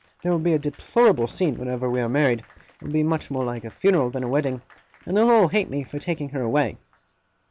There will be a deplorable scene, whenever we are married. It will be much more like a funeral, than a wedding. And they'll all hate me for taking her away!